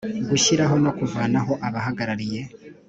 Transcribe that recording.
Gushyiraho no kuvanaho abahagarariye